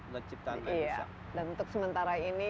dan untuk sementara ini